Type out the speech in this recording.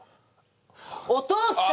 お父さん！